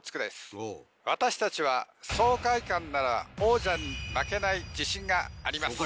私たちは爽快感なら王者に負けない自信があります。